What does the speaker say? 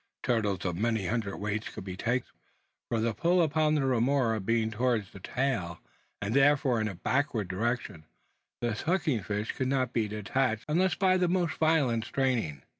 Turtles of many hundreds' weight could be taken in this way; for the pull upon the remora being towards the tail, and therefore in a backward direction, the sucking fish could not be detached, unless by the most violent straining.